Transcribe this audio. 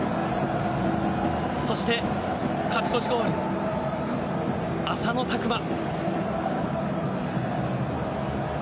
そして、勝ち越しゴール浅野拓磨。